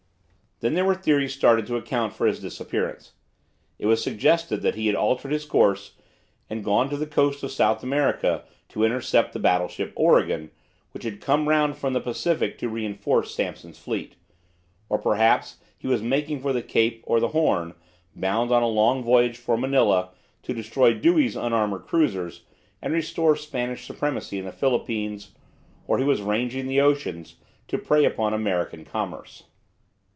Then there were theories started to account for his disappearance. It was suggested that he had altered his course and gone to the coast of South America, to intercept the battleship "Oregon," which had come round from the Pacific to reinforce Sampson's fleet; or perhaps he was making for the Cape or the Horn, bound on a long voyage for Manila, to destroy Dewey's unarmoured cruisers and restore Spanish supremacy in the Philippines; or he was ranging the oceans to prey upon American commerce.